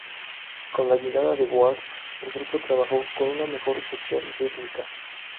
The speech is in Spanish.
Con la llegada de Ward, el grupo trabajó con una mejor sección rítmica.